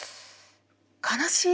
悲しい。